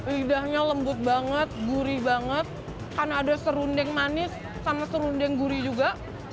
lidahnya lembut banget gurih banget karena ada serundeng manis sama serundeng gurih juga